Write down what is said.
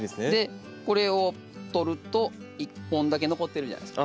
これを取ると１本だけ残ってるじゃないですか。